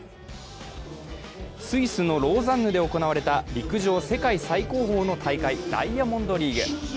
スイスのローザンヌで行われた陸上世界最高峰の大会ダイヤモンドリーグ。